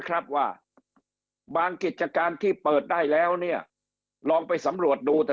ครับว่าบางกิจการที่เปิดได้แล้วเนี่ยลองไปสำรวจดูแต่